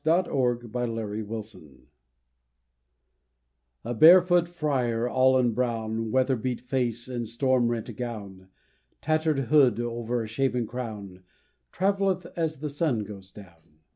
C Ube Jrtsb Franciscan A BAREFOOT friar all in brown, Weather beat face and storm rent gown, Tattered hood over shaven crown, Travelleth as the sun goes down.